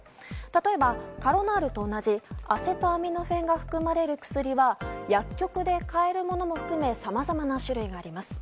例えば、カロナールと同じアセトアミノフェンが含まれる薬は薬局で買えるものも含めさまざまな種類があります。